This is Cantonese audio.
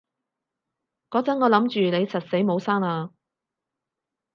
嗰陣我諗住你實死冇生喇